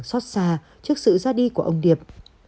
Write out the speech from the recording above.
xót xa trước sự ra đi của ông điệp